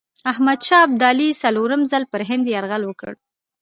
احمدشاه ابدالي څلورم ځل پر هند یرغل وکړ.